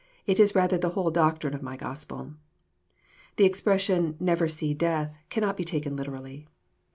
It is rather the whole doctrine of My Gospel. The expression never see death " cannot be taken literally.